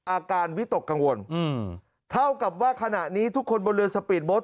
วิตกกังวลเท่ากับว่าขณะนี้ทุกคนบนเรือสปีดโท